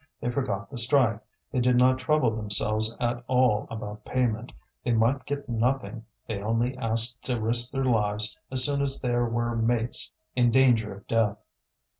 They forgot the strike, they did not trouble themselves at all about payment; they might get nothing, they only asked to risk their lives as soon as there were mates in danger of death.